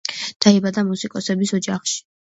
დაიბადა მუსიკოსების ოჯახში.